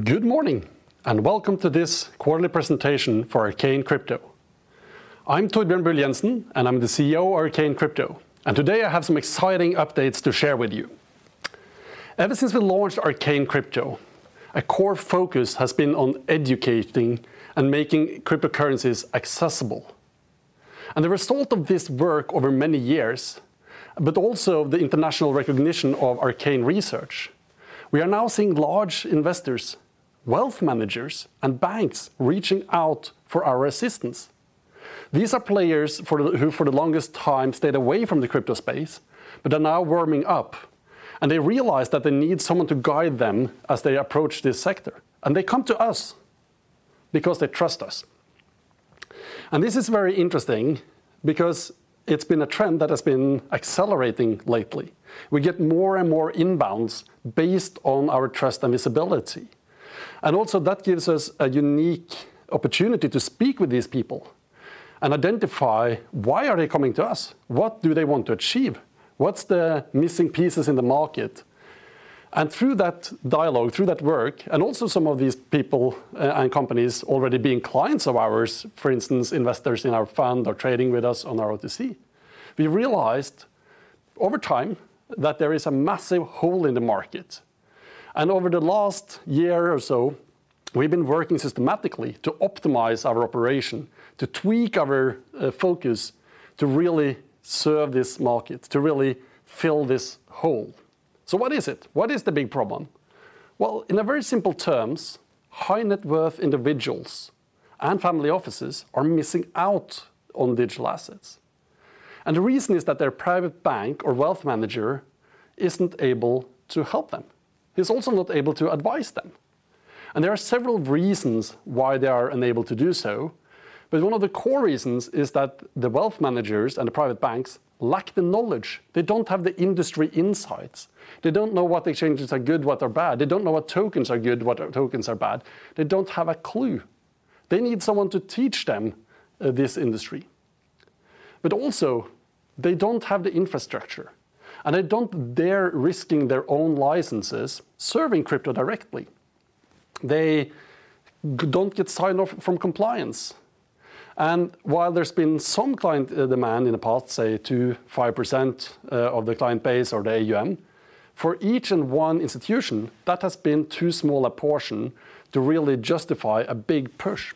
Good morning, and welcome to this quarterly presentation for Arcane Crypto. I'm Torbjørn Bull Jenssen, and I'm the CEO of Arcane Crypto, and today, I have some exciting updates to share with you. Ever since we launched Arcane Crypto, a core focus has been on educating and making cryptocurrencies accessible. The result of this work over many years, but also the international recognition of Arcane Research, we are now seeing large investors, wealth managers, and banks reaching out for our assistance. These are players who, for the longest time, stayed away from the crypto space but are now warming up, and they realize that they need someone to guide them as they approach this sector. They come to us because they trust us. This is very interesting because it's been a trend that has been accelerating lately. We get more and more inbounds based on our trust and visibility, and also that gives us a unique opportunity to speak with these people and identify why are they coming to us? What do they want to achieve? What's the missing pieces in the market? Through that dialogue, through that work, and also some of these people and companies already being clients of ours, for instance, investors in our fund or trading with us on our OTC, we realized over time that there is a massive hole in the market. Over the last year or so, we've been working systematically to optimize our operation, to tweak our focus to really serve this market, to really fill this hole. What is it? What is the big problem? Well, in a very simple terms, high-net-worth individuals and family offices are missing out on digital assets. The reason is that their private bank or wealth manager isn't able to help them. He's also not able to advise them. There are several reasons why they are unable to do so, but one of the core reasons is that the wealth managers and the private banks lack the knowledge. They don't have the industry insights. They don't know what exchanges are good, what are bad. They don't know what tokens are good, what tokens are bad. They don't have a clue. They need someone to teach them this industry. But also, they don't have the infrastructure, and they don't dare risking their own licenses serving crypto directly. They don't get signed off from compliance. While there's been some client demand in the past, say 2%-5% of the client base or the AUM, for each and one institution, that has been too small a portion to really justify a big push.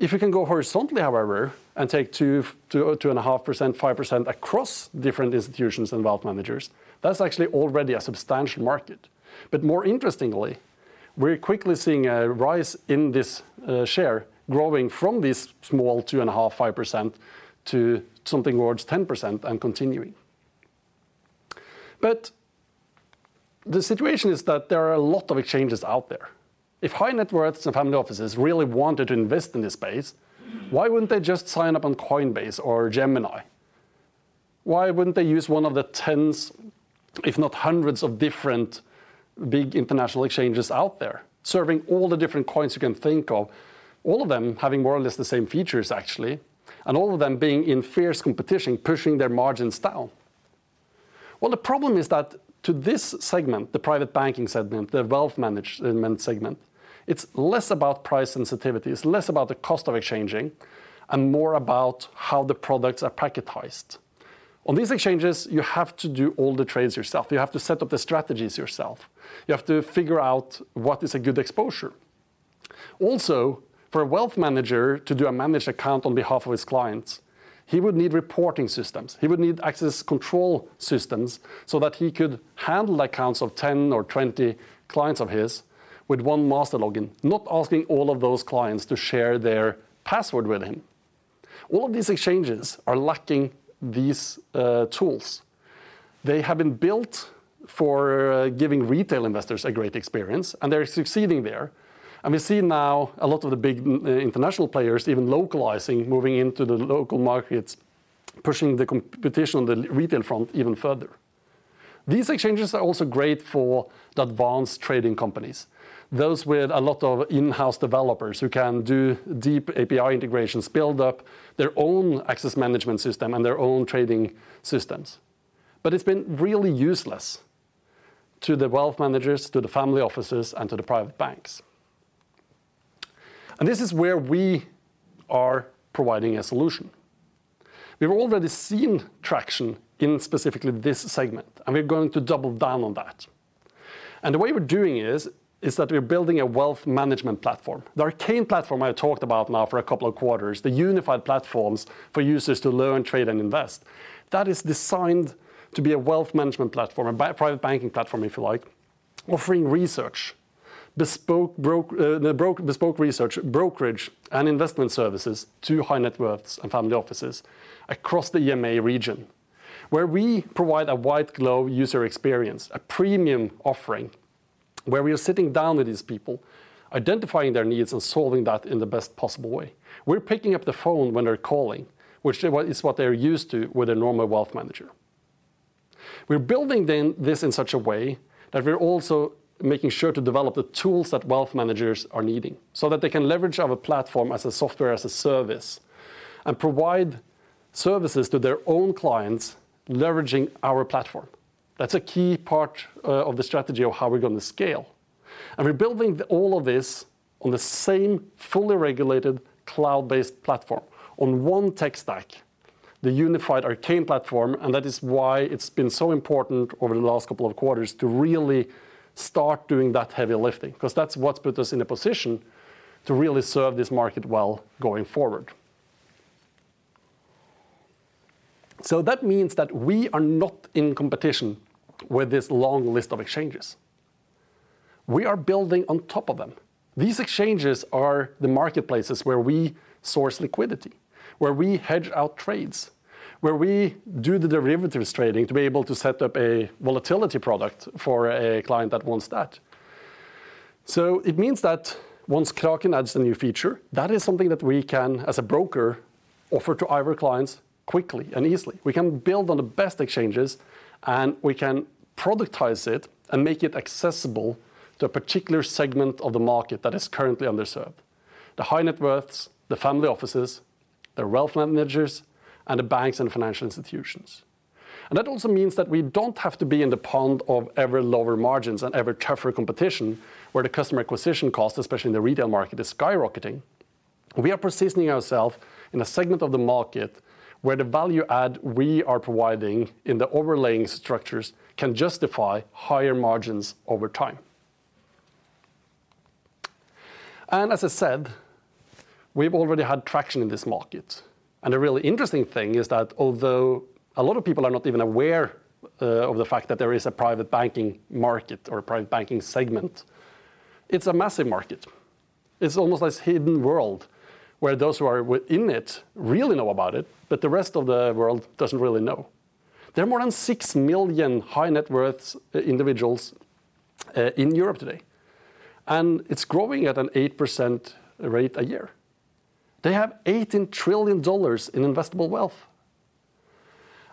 If we can go horizontally, however, and take 2.5%, 5% across different institutions and wealth managers, that's actually already a substantial market. More interestingly, we're quickly seeing a rise in this share growing from this small 2.5%, 5% to something towards 10% and continuing. The situation is that there are a lot of exchanges out there. If high-net-worths and family offices really wanted to invest in this space, why wouldn't they just sign up on Coinbase or Gemini? Why wouldn't they use one of the tens, if not hundreds of different big international exchanges out there, serving all the different coins you can think of, all of them having more or less the same features, actually, and all of them being in fierce competition, pushing their margins down? Well, the problem is that to this segment, the private banking segment, the wealth management segment, it's less about price sensitivity, it's less about the cost of exchanging, and more about how the products are packaged. On these exchanges, you have to do all the trades yourself. You have to set up the strategies yourself. You have to figure out what is a good exposure. Also, for a wealth manager to do a managed account on behalf of his clients, he would need reporting systems. He would need access control systems so that he could handle accounts of 10 or 20 clients of his with one master login, not asking all of those clients to share their password with him. All of these exchanges are lacking these tools. They have been built for giving retail investors a great experience, and they're succeeding there. We see now a lot of the big international players even localizing, moving into the local markets, pushing the competition on the retail front even further. These exchanges are also great for the advanced trading companies, those with a lot of in-house developers who can do deep API integrations, build up their own access management system and their own trading systems. But it's been really useless to the wealth managers, to the family offices, and to the private banks. This is where we are providing a solution. We've already seen traction in specifically this segment, and we're going to double down on that. The way we're doing it is that we're building a wealth management platform. The Arcane platform I talked about now for a couple of quarters, the unified platforms for users to learn, trade, and invest, that is designed to be a wealth management platform, a private banking platform, if you like, offering research, bespoke research, brokerage, and investment services to high-net-worths and family offices across the EMEA region, where we provide a white-glove user experience, a premium offering, where we are sitting down with these people, identifying their needs, and solving that in the best possible way. We're picking up the phone when they're calling, which is what they're used to with a normal wealth manager. We're building this in such a way that we're also making sure to develop the tools that wealth managers are needing so that they can leverage our platform as a software, as a service, and provide services to their own clients leveraging our platform. That's a key part of the strategy of how we're gonna scale. We're building all of this on the same fully regulated cloud-based platform on one tech stack, the unified Arcane platform, and that is why it's been so important over the last couple of quarters to really start doing that heavy lifting 'cause that's what's put us in a position to really serve this market well going forward. That means that we are not in competition with this long list of exchanges. We are building on top of them. These exchanges are the marketplaces where we source liquidity, where we hedge out trades, where we do the derivatives trading to be able to set up a volatility product for a client that wants that. It means that once Kraken adds a new feature, that is something that we can, as a broker, offer to our clients quickly and easily. We can build on the best exchanges, and we can productize it and make it accessible to a particular segment of the market that is currently underserved, the high net worths, the family offices, the wealth managers, and the banks and financial institutions. That also means that we don't have to be in the pond of ever lower margins and ever tougher competition, where the customer acquisition cost, especially in the retail market, is skyrocketing. We are positioning ourselves in a segment of the market where the value add we are providing in the overlaying structures can justify higher margins over time. As I said, we've already had traction in this market. The really interesting thing is that although a lot of people are not even aware of the fact that there is a private banking market or a private banking segment, it's a massive market. It's almost this hidden world where those who are in it really know about it, but the rest of the world doesn't really know. There are more than 6 million high-net-worth individuals in Europe today, and it's growing at an 8% rate a year. They have $18 trillion in investable wealth.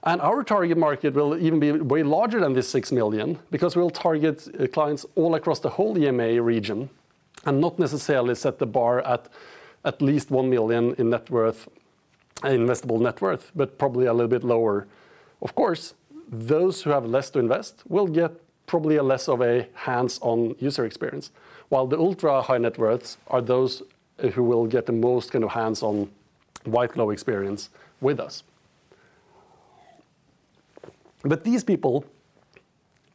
Our target market will even be way larger than this 6 million because we'll target clients all across the whole EMEA region and not necessarily set the bar at least one million in net worth, investable net worth, but probably a little bit lower. Of course, those who have less to invest will get probably a less of a hands-on user experience, while the ultra-high net worths are those who will get the most kind of hands-on white-glove experience with us. These people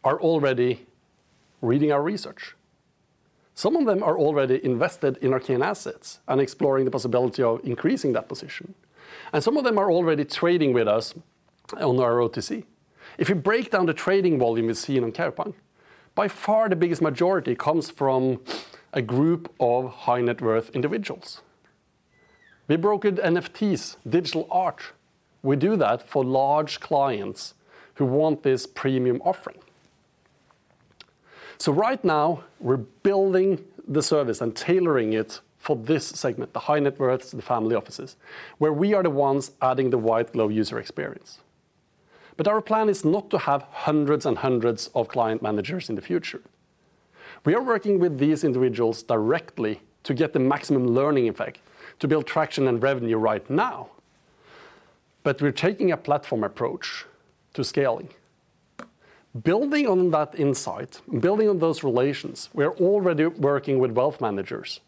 are already reading our research. Some of them are already invested in Arcane Assets and exploring the possibility of increasing that position, and some of them are already trading with us on our OTC. If you break down the trading volume you see on Kaupang, by far the biggest majority comes from a group of high net worth individuals. We brokered NFTs, digital art. We do that for large clients who want this premium offering. Right now, we're building the service and tailoring it for this segment, the high net worths, the family offices, where we are the ones adding the white glove user experience. Our plan is not to have hundreds and hundreds of client managers in the future. We are working with these individuals directly to get the maximum learning effect, to build traction and revenue right now, but we're taking a platform approach to scaling. Building on that insight, building on those relations, we are already working with wealth managers,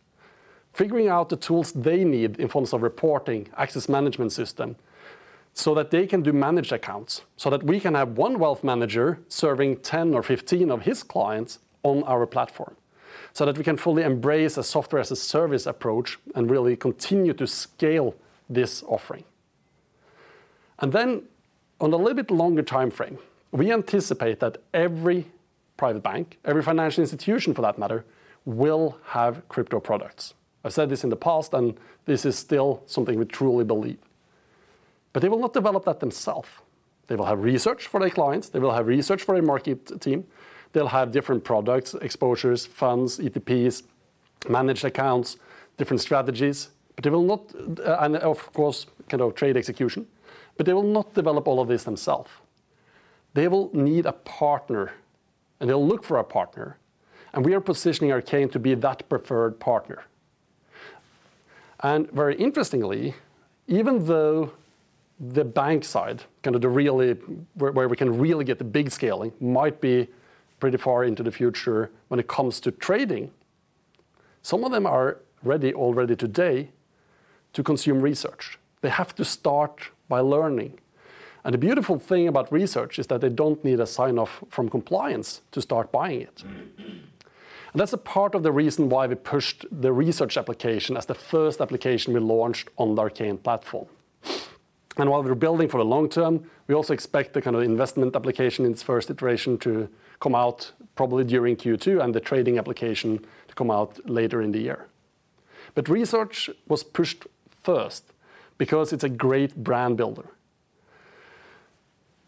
figuring out the tools they need in forms of reporting, access management system, so that they can do managed accounts, so that we can have one wealth manager serving 10 or 15 of his clients on our platform, so that we can fully embrace a software-as-a-service approach and really continue to scale this offering. Then on a little bit longer timeframe, we anticipate that every private bank, every financial institution for that matter, will have crypto products. I said this in the past, and this is still something we truly believe. They will not develop that themselves. They will have research for their clients. They will have research for their market team. They'll have different products, exposures, funds, ETPs, managed accounts, different strategies, but they will not develop all of this themselves. They will need a partner, and they'll look for a partner, and we are positioning Arcane to be that preferred partner. Very interestingly, even though the bank side, kind of the really where we can really get the big scaling might be pretty far into the future when it comes to trading, some of them are ready already today to consume research. They have to start by learning. The beautiful thing about research is that they don't need a sign-off from compliance to start buying it. That's a part of the reason why we pushed the research application as the first application we launched on the Arcane platform. While we're building for the long term, we also expect the kind of investment application in its first iteration to come out probably during Q2 and the trading application to come out later in the year. Research was pushed first because it's a great brand builder.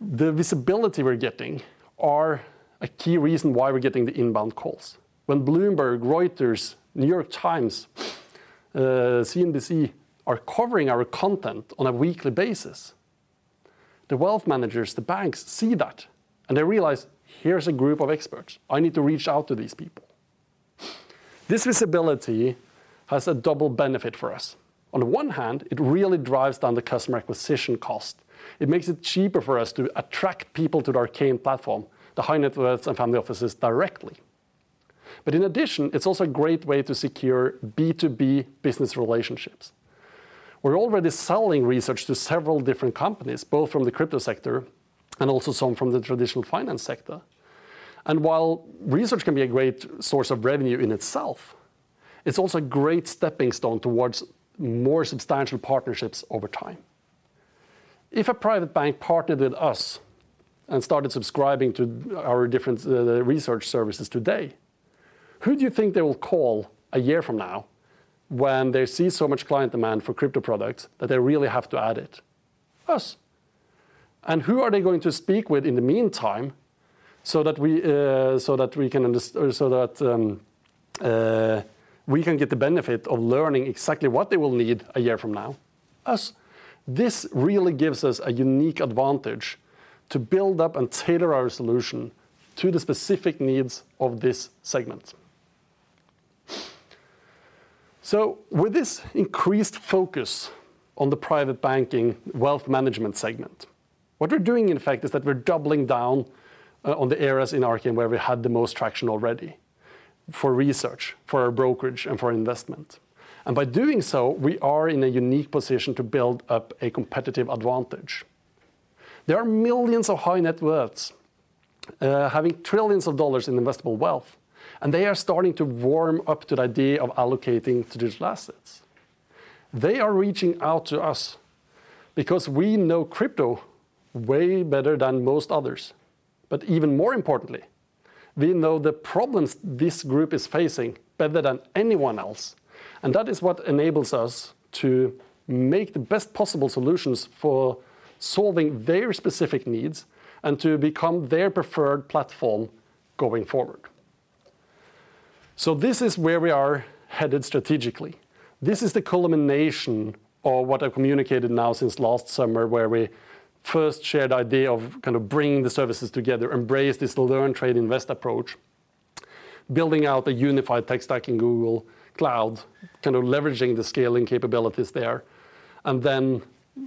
The visibility we're getting are a key reason why we're getting the inbound calls. When Bloomberg, Reuters, New York Times, CNBC are covering our content on a weekly basis, the wealth managers, the banks see that and they realize, "Here's a group of experts. I need to reach out to these people." This visibility has a double benefit for us. On one hand, it really drives down the customer acquisition cost. It makes it cheaper for us to attract people to the Arcane platform, the high net worth and family offices directly. In addition, it's also a great way to secure B2B business relationships. We're already selling research to several different companies, both from the crypto sector and also some from the traditional finance sector. While research can be a great source of revenue in itself, it's also a great stepping stone towards more substantial partnerships over time. If a private bank partnered with us and started subscribing to our different research services today, who do you think they will call a year from now when they see so much client demand for crypto products that they really have to add it? Us. Who are they going to speak with in the meantime so that we can get the benefit of learning exactly what they will need a year from now? Us. This really gives us a unique advantage to build up and tailor our solution to the specific needs of this segment. With this increased focus on the private banking wealth management segment, what we're doing, in fact, is that we're doubling down on the areas in Arcane where we had the most traction already for research, for our brokerage, and for investment. By doing so, we are in a unique position to build up a competitive advantage. There are millions of high net worths having $trillions in investable wealth, and they are starting to warm up to the idea of allocating to digital assets. They are reaching out to us because we know crypto way better than most others. Even more importantly, we know the problems this group is facing better than anyone else, and that is what enables us to make the best possible solutions for solving their specific needs and to become their preferred platform going forward. This is where we are headed strategically. This is the culmination of what I've communicated now since last summer, where we first shared the idea of kind of bringing the services together, embrace this learn, trade, invest approach, building out a unified tech stack in Google Cloud, kind of leveraging the scaling capabilities there, and then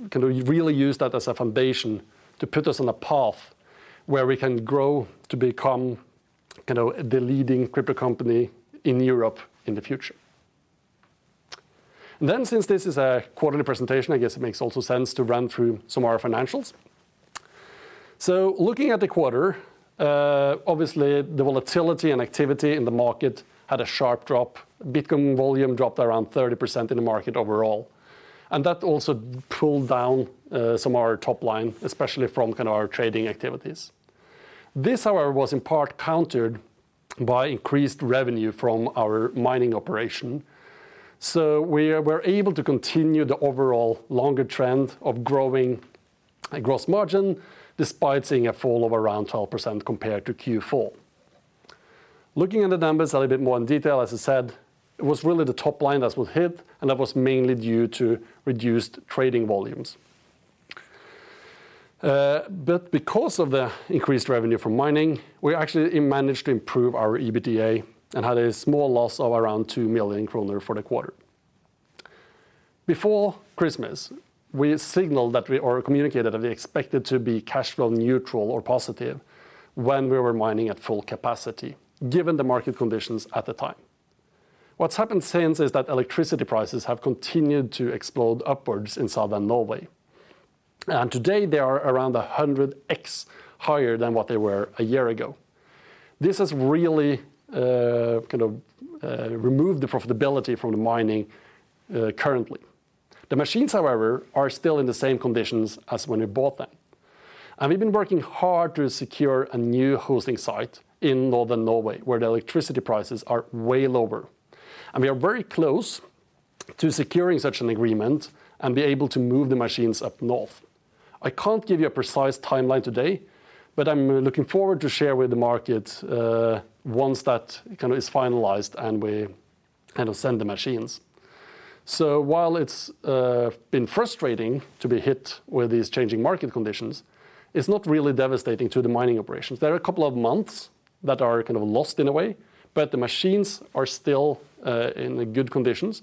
can we really use that as a foundation to put us on a path where we can grow to become, you know, the leading crypto company in Europe in the future. Since this is a quarterly presentation, I guess it makes also sense to run through some of our financials. Looking at the quarter, obviously the volatility and activity in the market had a sharp drop. Bitcoin volume dropped around 30% in the market overall, and that also pulled down some of our top line, especially from kind of our trading activities. This, however, was in part countered by increased revenue from our mining operation. We're able to continue the overall longer trend of growing a gross margin despite seeing a fall of around 12% compared to Q4. Looking at the numbers a little bit more in detail, as I said, it was really the top line that was hit, and that was mainly due to reduced trading volumes. Because of the increased revenue from mining, we actually managed to improve our EBITDA and had a small loss of around 2 million kroner for the quarter. Before Christmas, we signaled that we or communicated that we expected to be cash flow neutral or positive when we were mining at full capacity, given the market conditions at the time. What's happened since is that electricity prices have continued to explode upwards in southern Norway. Today they are around 100x higher than what they were a year ago. This has really, kind of, removed the profitability from the mining, currently. The machines, however, are still in the same conditions as when we bought them. We've been working hard to secure a new hosting site in northern Norway where the electricity prices are way lower. We are very close to securing such an agreement and be able to move the machines up north. I can't give you a precise timeline today, but I'm looking forward to share with the market, once that kind of is finalized and we kind of send the machines. While it's been frustrating to be hit with these changing market conditions, it's not really devastating to the mining operations. There are a couple of months that are kind of lost in a way, but the machines are still in good conditions.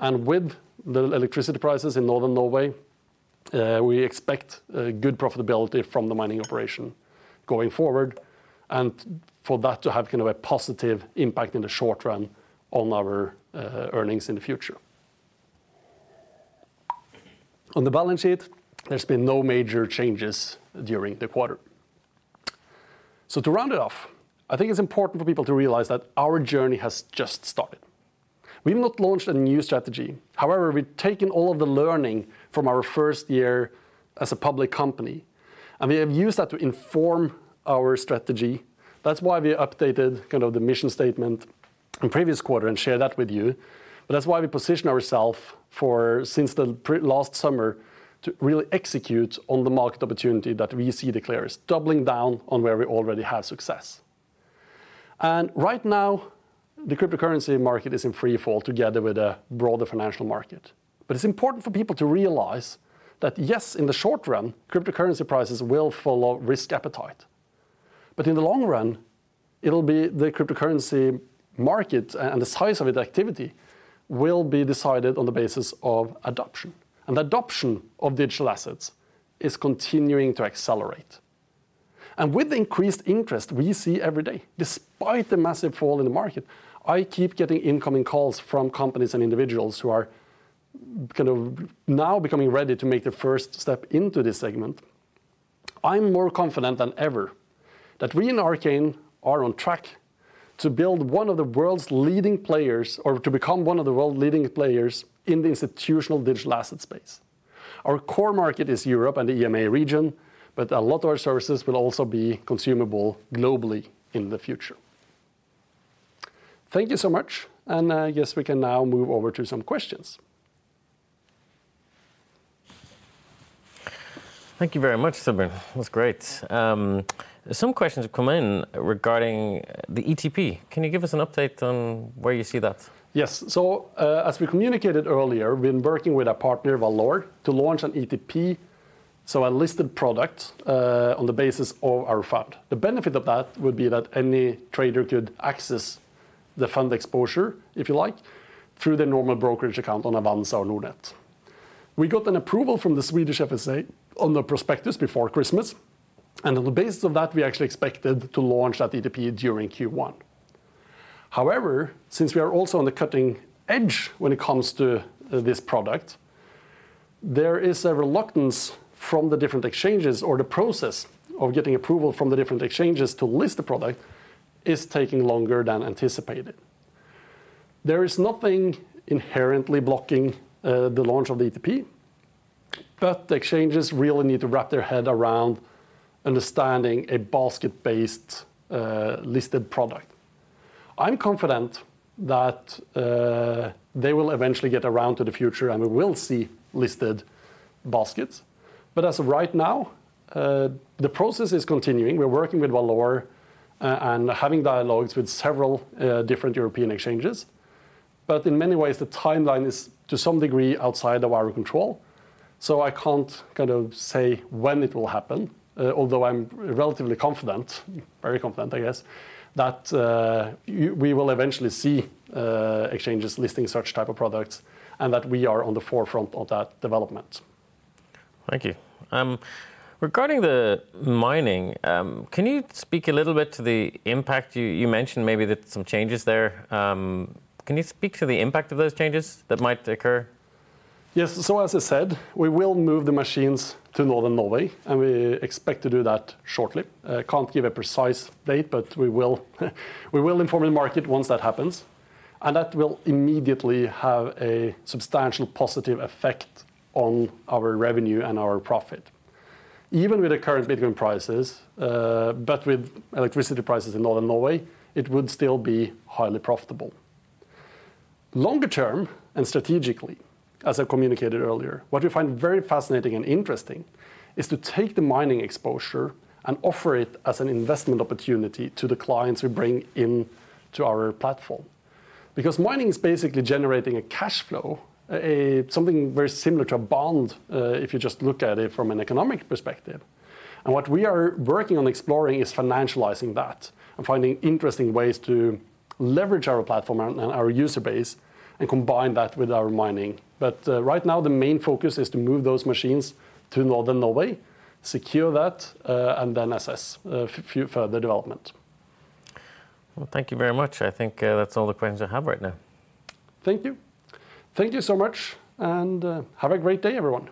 With the electricity prices in northern Norway, we expect a good profitability from the mining operation going forward and for that to have kind of a positive impact in the short run on our earnings in the future. On the balance sheet, there's been no major changes during the quarter. To round it off, I think it's important for people to realize that our journey has just started. We've not launched a new strategy. However, we've taken all of the learning from our first year as a public company, and we have used that to inform our strategy. That's why we updated kind of the mission statement in previous quarter and shared that with you. That's why we position ourself for since the last summer to really execute on the market opportunity that we see the clearest, doubling down on where we already have success. Right now, the cryptocurrency market is in free fall together with a broader financial market. It's important for people to realize that yes, in the short run, cryptocurrency prices will follow risk appetite. In the long run, it'll be the cryptocurrency market and the size of its activity will be decided on the basis of adoption. Adoption of digital assets is continuing to accelerate. With increased interest we see every day, despite the massive fall in the market, I keep getting incoming calls from companies and individuals who are kind of now becoming ready to make the first step into this segment. I'm more confident than ever that we in Arcane are on track to build one of the world's leading players or to become one of the world's leading players in the institutional digital asset space. Our core market is Europe and the EMEA region, but a lot of our services will also be consumable globally in the future. Thank you so much, and yes, we can now move over to some questions. Thank you very much, Torbjørn. That's great. Some questions have come in regarding the ETP. Can you give us an update on where you see that? Yes. As we communicated earlier, we've been working with our partner, Valour, to launch an ETP, so a listed product, on the basis of our fund. The benefit of that would be that any trader could access the fund exposure, if you like, through their normal brokerage account on Avanza or Nordnet. We got an approval from the Swedish FSA on the prospectus before Christmas, and on the basis of that, we actually expected to launch that ETP during Q1. However, since we are also on the cutting edge when it comes to this product, there is a reluctance from the different exchanges or the process of getting approval from the different exchanges to list the product is taking longer than anticipated. There is nothing inherently blocking the launch of the ETP, but the exchanges really need to wrap their head around understanding a basket-based listed product. I'm confident that they will eventually get around to the future, and we will see listed baskets. As of right now, the process is continuing. We're working with Valour and having dialogues with several different European exchanges. In many ways, the timeline is to some degree outside of our control, so I can't kind of say when it will happen, although I'm relatively confident, very confident I guess, that we will eventually see exchanges listing such type of products and that we are on the forefront of that development. Thank you. Regarding the mining, can you speak a little bit to the impact you mentioned maybe that some changes there? Can you speak to the impact of those changes that might occur? Yes. As I said, we will move the machines to Northern Norway, and we expect to do that shortly. I can't give a precise date, but we will inform the market once that happens, and that will immediately have a substantial positive effect on our revenue and our profit. Even with the current Bitcoin prices, but with electricity prices in Northern Norway, it would still be highly profitable. Longer term and strategically, as I communicated earlier, what we find very fascinating and interesting is to take the mining exposure and offer it as an investment opportunity to the clients we bring into our platform. Because mining is basically generating a cash flow, something very similar to a bond, if you just look at it from an economic perspective. What we are working on exploring is financializing that and finding interesting ways to leverage our platform and our user base and combine that with our mining. Right now, the main focus is to move those machines to Northern Norway, secure that, and then assess further development. Well, thank you very much. I think, that's all the questions I have right now. Thank you. Thank you so much, and have a great day, everyone.